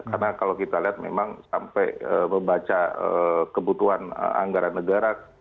karena kalau kita lihat memang sampai membaca kebutuhan anggaran negara